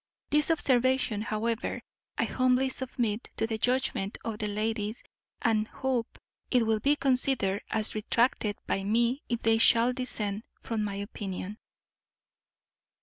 This observation, however, I humbly submit to the judgment of the ladies, and hope it will be considered as retracted by me if they shall dissent from my opinion.